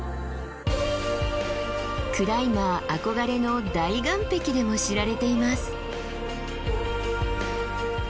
クライマー憧れの大岩壁でも知られています。